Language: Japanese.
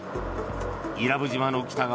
伊良部島の北側